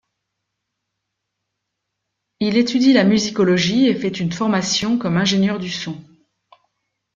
Il étudie la musicologie et fait une formation comme ingénieur du son.